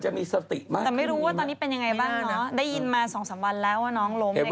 เห็นว่านั้นบอกอยู่